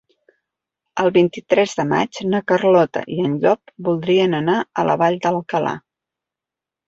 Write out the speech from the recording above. El vint-i-tres de maig na Carlota i en Llop voldrien anar a la Vall d'Alcalà.